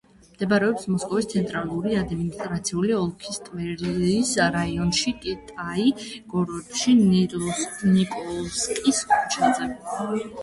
მდებარეობს მოსკოვის ცენტრალური ადმინისტრაციული ოლქის ტვერის რაიონში, კიტაი-გოროდში, ნიკოლსკის ქუჩაზე.